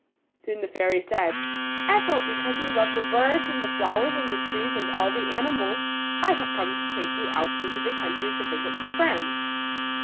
Soon the fairy said: ^^Ethel, because you love the birds and the flowers and the trees and all the animals, I have come to take you out into the country to visit your friends."